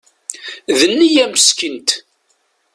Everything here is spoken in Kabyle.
D neyya Meskint.